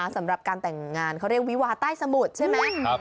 สำหรับการแต่งงานเขาเรียกวิวาใต้สมุทรใช่ไหม